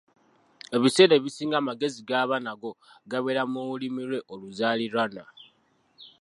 Ebiseera ebisinga amagezi g’aba nago gabeera mu Lulimi lwe oluzaaliranwa.